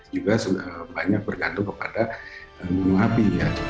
juga sudah banyak bergantung kepada gunung api